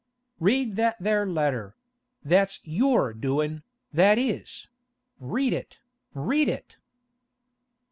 'Read that there letter! That's your doin', that is! Read it? Read it!